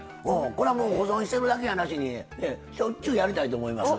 これは、保存してるだけやなしにしょっちゅうやりたいなと思います。